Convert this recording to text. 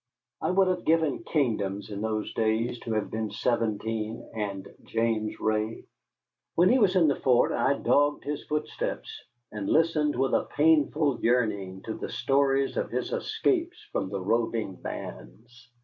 I would have given kingdoms in those days to have been seventeen and James Ray. When he was in the fort I dogged his footsteps, and listened with a painful yearning to the stories of his escapes from the roving bands.